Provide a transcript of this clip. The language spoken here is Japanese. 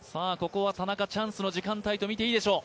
田中はチャンスの時間帯とみていいでしょう。